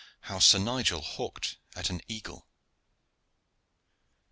HOW SIR NIGEL HAWKED AT AN EAGLE.